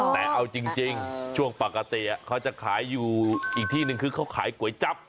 แต่เอาจริงช่วงปกติเขาจะขายอยู่อีกที่หนึ่งคือเขาขายก๋วยจับ